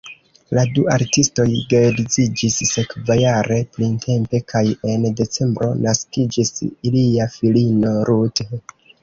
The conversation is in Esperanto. La du artistoj geedziĝis sekvajare printempe kaj en decembro naskiĝis ilia filino Ruth.